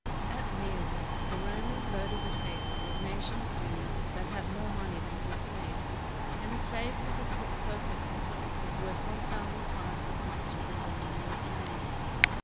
At meals the Romans loaded the table as nations do that have more money than good taste, and a slave who could cook perfectly was worth one thousand times as much as an ordinary slave.